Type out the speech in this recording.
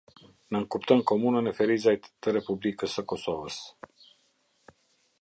Nënkupton komunën e Ferizajt të Republikës së Kosovës.